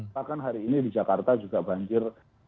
bahkan hari ini di jakarta juga banjir